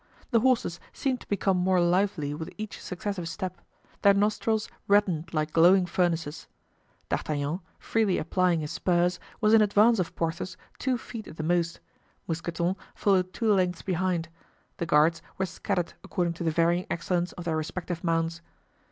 The horses seemed to become more lively with each successive step; their nostrils reddened like glowing furnaces. D'Artagnan, freely applying his spurs, was in advance of Porthos two feet at the most; Mousqueton followed two lengths behind; the guards were scattered according to the varying excellence of their respective mounts.